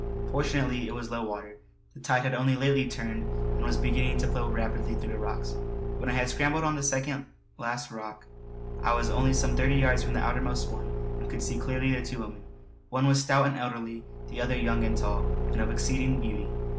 Fortunately it was low water. The tide had only lately turned and was beginning to flow rapidly through the rocks. When I had scrambled on the second last rock I was only some thirty yards from the outermost one and could see clearly the two women. One was stout and elderly, the other young and tall and of exceeding beauty.